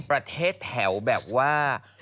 ประเทศแถวแบบว่า